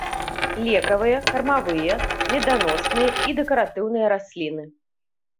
Лекавыя, кармавыя, меданосныя і дэкаратыўныя расліны.